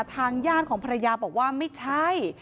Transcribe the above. ทางญาติของภรรยาบอกว่าไม่ใช่